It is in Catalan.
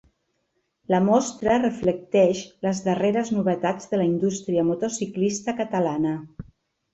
La mostra reflecteix les darreres novetats de la indústria motociclista catalana.